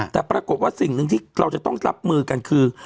แต่ปรากฏว่าสิ่งหนึ่งที่เราจะต้องรับมือกันคือ